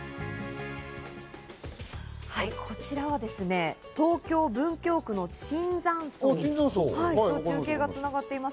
こちらはですね、東京・文京区の椿山荘と中継が繋がっています。